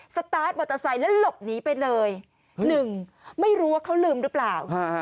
สตาร์ทมอเตอร์ไซค์แล้วหลบหนีไปเลยหนึ่งไม่รู้ว่าเขาลืมหรือเปล่า